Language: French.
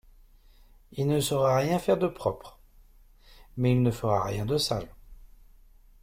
Il ne saura rien faire de propre,… mais il ne fera rien de sale.